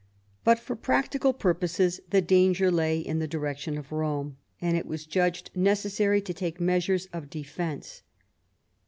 But, for practical purposes, the danger lay in the direction of Rome, and it was judged necessary to take measures of defence.